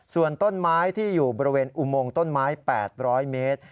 ส่วนต้นไม้ที่อยู่บริเวณอุโมงต้นไม้๘๐๐เมตร